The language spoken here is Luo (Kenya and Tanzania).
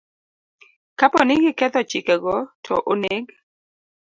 Kapo ni giketho chikego, to oneg